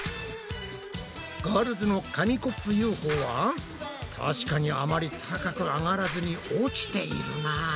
ガールズの紙コップＵＦＯは確かにあまり高く上がらずに落ちているな。